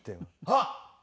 あっ。